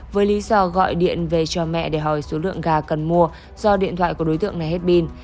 với lý do gọi điện về cho mẹ để hỏi số lượng gà cần mua do điện thoại của đối tượng này hết bin